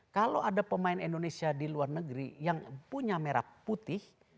kalau ada pemain indonesia di luar negeri yang punya merah putih